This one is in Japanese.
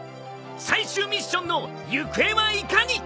最終ミッションの行方はいかに！？